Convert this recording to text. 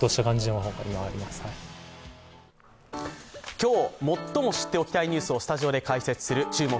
今日最も知っておきたいニュースをスタジオで解説する「注目！